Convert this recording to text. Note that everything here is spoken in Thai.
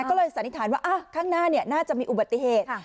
ก็เลยสันนิษฐานว่าข้างหน้าน่าจะมีอุบัติเหตุ